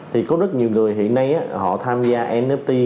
thì có rất nhiều người hiện nay họ tham gia nft